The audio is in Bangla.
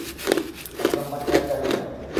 একদম বাচ্চা একটা মেয়ে ও।